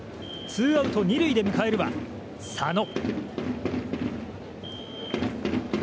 ツーアウト２塁で迎えるは佐野。